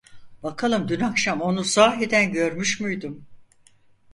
Bakalım dün akşam onu sahiden görmüş müydüm?